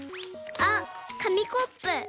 ほうかみコップ。